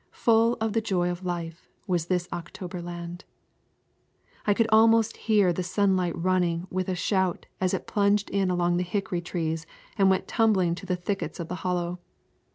Full of the joy of life was this October land. I could almost hear the sunlight running with a shout as it plunged in among the hickory trees and went tumbling to the thickets of the hollow.